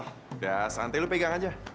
udah santai lu pegang aja